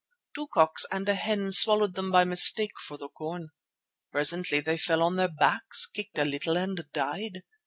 Two cocks and a hen swallowed them by mistake for the corn. Presently they fell on their backs, kicked a little and died.